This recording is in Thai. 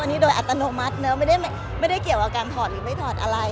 อันนี้โดยอัตโนมัติเนอะไม่ได้เกี่ยวกับการถอดหรือไม่ถอดอะไร